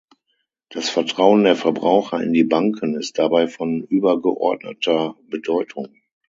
Das Vertrauen der Verbraucher in die Banken ist dabei von übergeordneter Bedeutung.